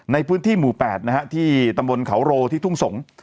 ในพื้นที่หมู่๘นะฮะที่ตำบลเขาโรที่ทุ่งสงศ์